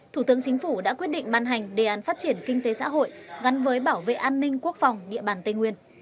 thủ tướng chính phủ đã quyết định ban hành đề án phát triển kinh tế xã hội gắn với bảo vệ an ninh quốc phòng địa bàn tây nguyên